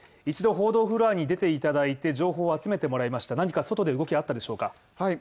一度報道フロアに出ていただいて情報を集めてもらいました何か外で動きあったでしょうか？